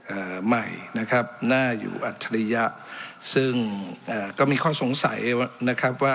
ใหม่นะครับหน้าอยู่อัจฉริยะซึ่งเอ่อก็มีข้อสงสัยนะครับว่า